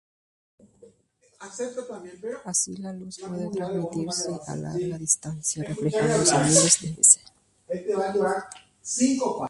Así, la luz puede transmitirse a larga distancia reflejándose miles de veces.